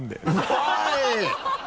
おい！